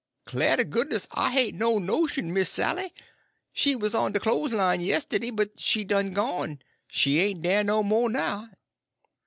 "Clah to goodness I hain't no notion, Miss' Sally. She wuz on de clo'sline yistiddy, but she done gone: she ain' dah no mo' now."